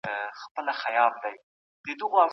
د لویې جرګي په خیمه کي مایکروفونونه چېرته دي؟